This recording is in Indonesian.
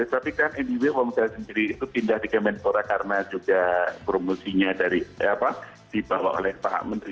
tapi kan anyway pak muda sendiri itu pindah di kemenpora karena juga promosinya dibawa oleh pak menteri